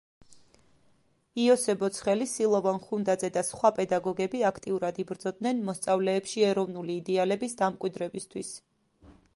იოსებ ოცხელი, სილოვან ხუნდაძე და სხვა პედაგოგები აქტიურად იბრძოდნენ მოსწავლეებში ეროვნული იდეალების დამკვიდრებისთვის.